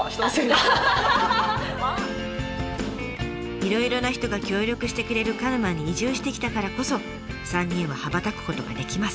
いろいろな人が協力してくれる鹿沼に移住してきたからこそ３人は羽ばたくことができます。